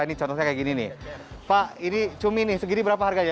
ini contohnya kayak gini nih pak ini cumi nih segini berapa harganya